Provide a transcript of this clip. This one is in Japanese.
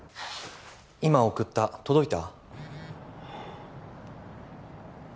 今送った届いた？